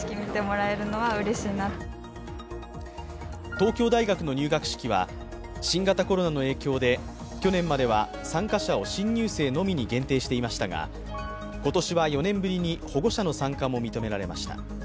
東京大学の入学式は新型コロナの影響で、去年までは参加者を新入生のみに限定していましたが今年は４年ぶりに保護者の参加も認められました。